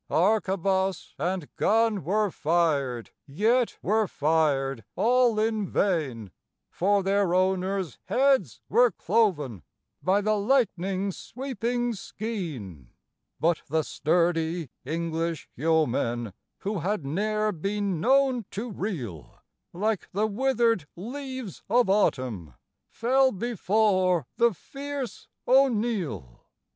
Arquebus and gun were fired, yet were fired all in vain, For their owners' heads were cloven by the lightening sweeping skean, But the sturdy English yeomen, who had ne'er been known to reel, Like the withered leaves of autumn, fell before the fierce O'Neill.